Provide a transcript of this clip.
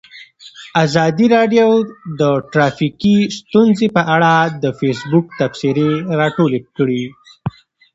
ازادي راډیو د ټرافیکي ستونزې په اړه د فیسبوک تبصرې راټولې کړي.